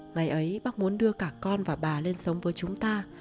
ngày ấy bác muốn đưa cả con và bà lên sống với chúng ta